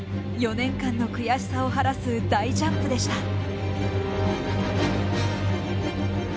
４年間の悔しさを晴らす大ジャンプでした。